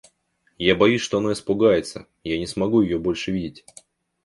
Я боюсь, что она испугается и я не смогу её больше видеть.